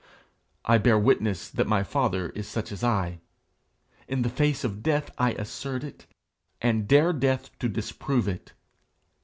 I bear witness that my father is such as I. In the face of death I assert it, and dare death to disprove it.